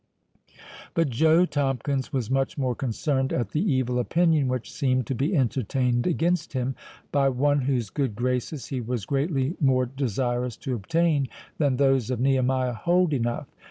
But Joe Tomkins was much more concerned at the evil opinion which seemed to be entertained against him, by one whose good graces he was greatly more desirous to obtain than those of Nehemiah Holdenough.